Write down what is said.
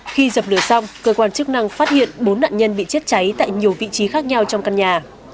khi dập lửa xong cơ quan chức năng phát hiện bốn nạn nhân bị chết cháy tại nhiều vị trí khác nhau trong căn nhà